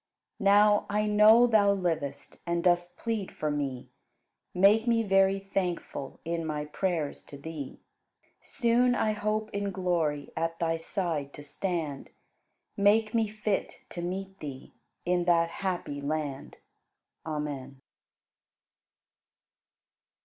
Now, I know Thou livest, And dost plead for me; Make me very thankful In my prayers to Thee. Soon I hope in glory At Thy side to stand; Make me fit to meet Thee In that happy land! Amen.